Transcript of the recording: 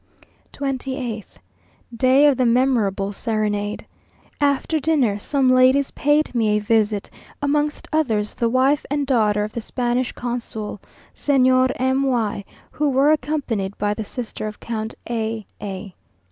28th. Day of the memorable serenade. After dinner some ladies paid me a visit, amongst others the wife and daughter of the Spanish consul, Señor M y, who were accompanied by the sister of Count A a.